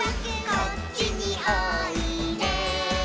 「こっちにおいで」